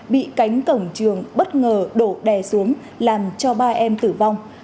bị cánh cổng trường bất ngờ đổ đè xuống làm cho ba em tử vong